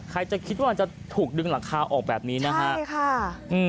ใครจะคิดว่าจะถูกดึงหลังคาออกแบบนี้นะครับ